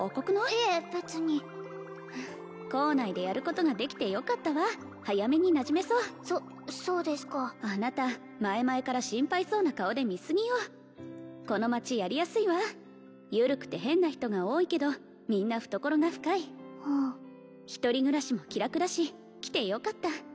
いえ別に校内でやることができてよかったわ早めになじめそうそそうですかあなた前々から心配そうな顔で見すぎよこの町やりやすいわ緩くて変な人が多いけどみんな懐が深い一人暮らしも気楽だし来てよかった